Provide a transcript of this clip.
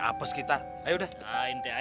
apa kita ayo deh jangan aja aja